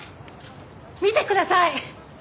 見てください！